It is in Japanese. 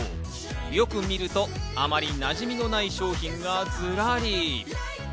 よく見ると、あまりなじみのない商品がズラリ。